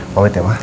mawet ya emang